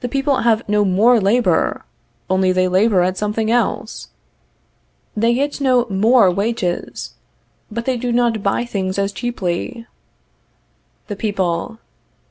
The people have no more labor, only they labor at something else. They get no more wages, but they do not buy things as cheaply. _The People.